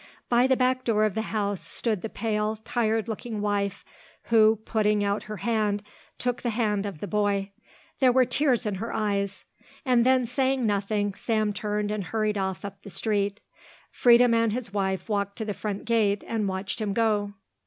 By the back door of the house stood the pale, tired looking wife who, putting out her hand, took the hand of the boy. There were tears in her eyes. And then saying nothing Sam turned and hurried off up the street, Freedom and his wife walked to the front gate and watched him go.